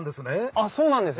あっそうなんです！